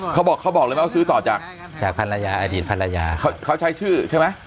เขาบอกเลยมั้ยว่าซื้อต่อจากจากภรรยาอดีตภรรยาเขาใช้ชื่อใช่มั้ย